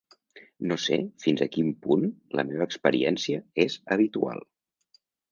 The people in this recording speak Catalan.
No sé fins a quin punt la meva experiència és habitual.